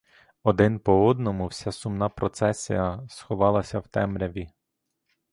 Один по одному вся сумна процесія сховалася в темряві.